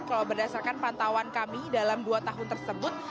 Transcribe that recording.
kalau berdasarkan pantauan kami dalam dua tahun tersebut